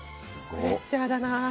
プレッシャーだな。